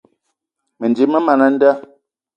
Mendim man a nda.